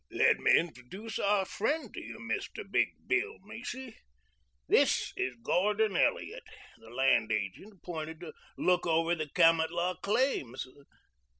"Let me introduce our friend to you, Mr. Big Bill Macy. This is Gordon Elliot, the land agent appointed to look over the Kamatlah claims.